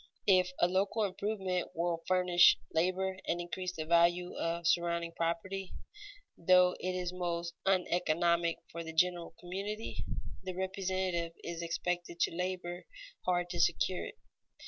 If a local improvement will furnish labor and increase the value of surrounding property, though it is most uneconomic for the general community, the representative is expected to labor hard to secure it.